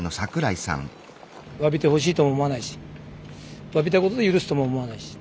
わびてほしいとも思わないしわびたことで許すとも思わないし。